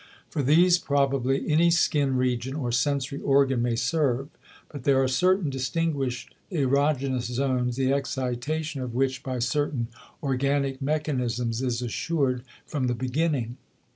For these probably any skin region or sensory organ may serve; but there are certain distinguished erogenous zones the excitation of which by certain organic mechanisms is assured from the beginning.